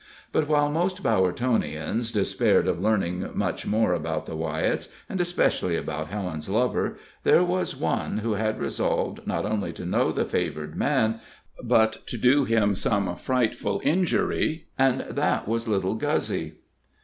But while most Bowertonians despaired of learning much more about the Wyetts, and especially about Helen's lover, there was one who had resolved not only to know the favored man, but to do him some frightful injury, and that was little Guzzy.